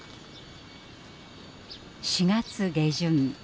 ４月下旬。